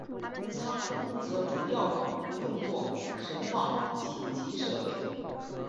仓库则主要用作存放紧急设备。